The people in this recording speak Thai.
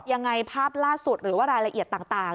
ยังไงภาพล่าสุดหรือว่ารายละเอียดต่าง